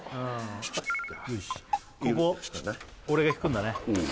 ここ俺が引くんだね